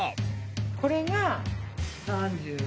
これが？